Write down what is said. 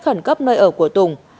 khẩn cấp nơi ở của tùng